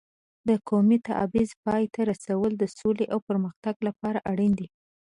د قومي تبعیض پای ته رسول د سولې او پرمختګ لپاره اړین دي.